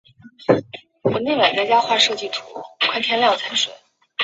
麦阿拉斯特镇区为美国堪萨斯州洛根县辖下的镇区。